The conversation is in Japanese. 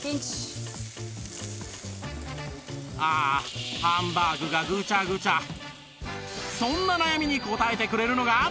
ああハンバーグがそんな悩みに応えてくれるのが